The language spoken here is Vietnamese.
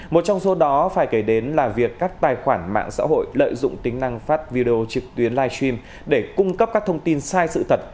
một trong số đó phải kể đến là việc các tài khoản mạng xã hội lợi dụng tính năng phát video trực tuyến live stream để cung cấp các thông tin sai sự thật